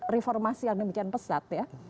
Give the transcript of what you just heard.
reformasi yang demikian pesat ya